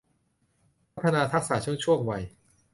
พัฒนาทักษะทุกช่วงวัย